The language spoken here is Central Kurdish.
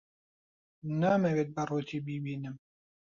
نامەوێت بە ڕووتی بیبینم.